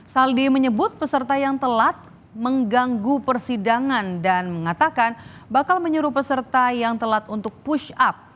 dua ribu dua puluh empat saldi menyebut peserta yang telat mengganggu persidangan dan mengatakan bakal menyeru peserta yang telat untuk push up